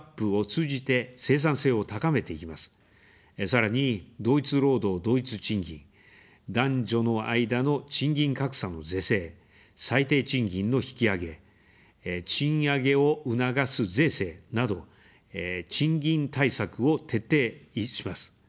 さらに、同一労働同一賃金、男女の間の賃金格差の是正、最低賃金の引き上げ、賃上げを促す税制など賃金対策を徹底します。